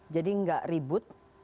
jadi nggak ribut